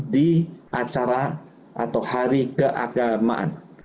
di acara atau hari keagamaan